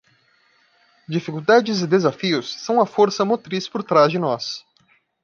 Dificuldades e desafios são a força motriz por trás de nós